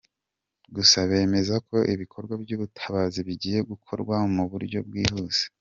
Gusa bemeza ko ibikorwa by’ubutabazi bigiye gukorwa mu buryo bwihuse.